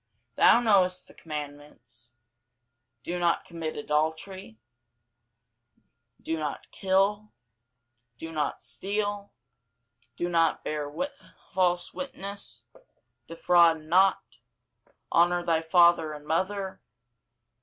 Thou knowest the commandments, Do not commit adultery, Do not kill, Do not steal, Do not bear false witness, Defraud not, Honour thy father and mother.